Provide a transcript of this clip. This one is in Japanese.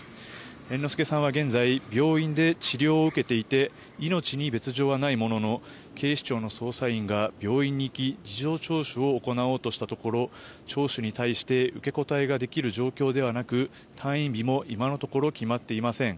猿之助さんは現在、病院で治療を受けていて命に別条はないものの警視庁の捜査員が病院に行き事情聴取を行おうとしたところ聴取に対して受け答えができる状況ではなく退院日は今のところ決まっていません。